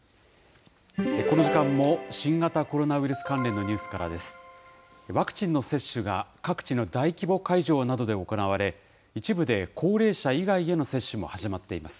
この時間も新型コロナウイルス関連のニュースからです。